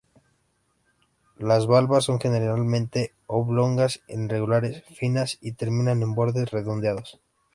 Las valvas son generalmente oblongas, irregulares, finas y terminan en bordes redondeados.